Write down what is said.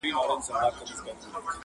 اباسین پر څپو راغی را روان دی غاړي غاړي٫